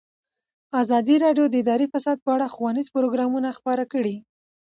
ازادي راډیو د اداري فساد په اړه ښوونیز پروګرامونه خپاره کړي.